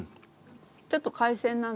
ちょっと海鮮なんですね。